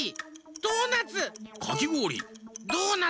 ドーナツ。